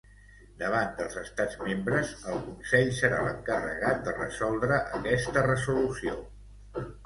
Davant dels Estats membres, el Consell serà l'encarregat de resoldre aquesta resolució.